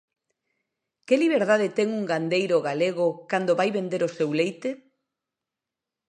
¿Que liberdade ten un gandeiro galego cando vai vender o seu leite?